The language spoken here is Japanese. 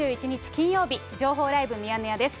金曜日、情報ライブミヤネ屋です。